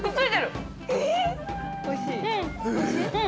おいしい？